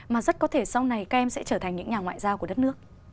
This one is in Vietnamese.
mà rất có thể sau này các em sẽ trở thành những nhà ngoại giao của đất nước